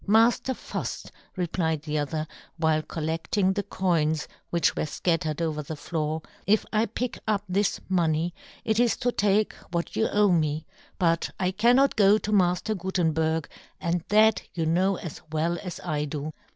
" Mafter " Fuft," replied the other, while col ledting the coins which were fcat tered over the floor, " if I pick up " this money, it is to take what you " owe me ; but I cannot go to Maf " ter Gutenberg, and that you know " as well as I do.